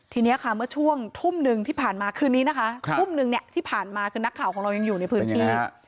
ทีนี้ค่ะเมื่อช่วงทุ่มหนึ่งที่ผ่านมาคืนนี้นะคะทุ่มนึงเนี่ยที่ผ่านมาคือนักข่าวของเรายังอยู่ในพื้นที่